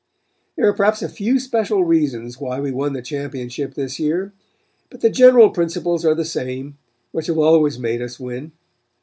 There are perhaps a few special reasons why we won the championship this year, but the general principles are the same, which have always made us win.